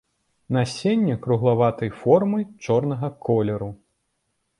Насенне круглаватай формы, чорнага колеру.